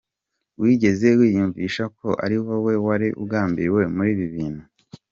Wigeze wiyumvisha ko ari wowe wari ugambiriwe muri ibi bintu?.